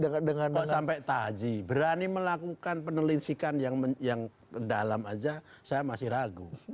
kalau sampai taji berani melakukan penelitikan yang dalam aja saya masih ragu